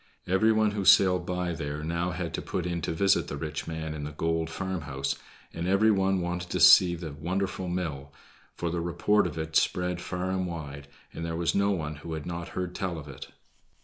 Every one who sailed by there now had to put in to visit the rich man in the gold farmhouse, and every one wanted to see the wonderful mill, for the report of it spread far and wide, and there was no one who had not heard tell of it.